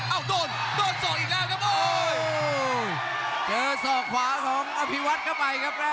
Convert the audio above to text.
โดนโดนสอกอีกแล้วครับโอ้โหเจอศอกขวาของอภิวัตเข้าไปครับ